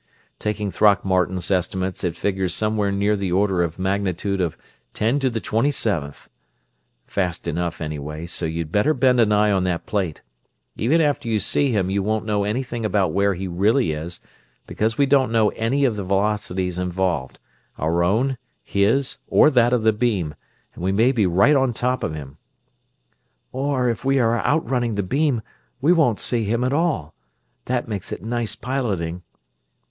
Taking Throckmorton's estimates it figures somewhere near the order of magnitude of ten to the twenty seventh. Fast enough, anyway, so you'd better bend an eye on that plate. Even after you see him you won't know anything about where he really is, because we don't know any of the velocities involved our own, his, or that of the beam and we may be right on top of him." "Or, if we are outrunning the beam, we won't see him at all. That makes it nice piloting."